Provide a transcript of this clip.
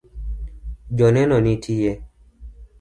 Joneno nitie